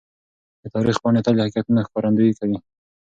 د تاریخ پاڼې تل د حقیقتونو ښکارندويي کوي.